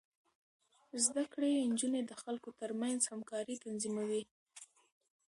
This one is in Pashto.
زده کړې نجونې د خلکو ترمنځ همکاري تنظيموي.